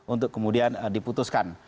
untuk kemudian diputuskan